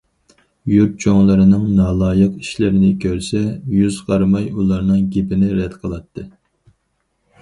يۇرت چوڭلىرىنىڭ نالايىق ئىشلىرىنى كۆرسە، يۈز قارىماي ئۇلارنىڭ گېپىنى رەت قىلاتتى.